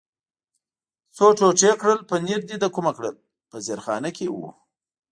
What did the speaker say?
څو ټوټې کړل، پنیر دې له کومه کړل؟ په زیرخانه کې و.